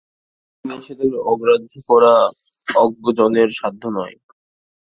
যে-সকল বিধিনিষেধ অগ্রাহ্য করা অজ্ঞ-জনের সাধ্য নয়।